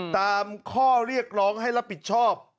ตามข้อเรียกร้องให้รับผิดชอบ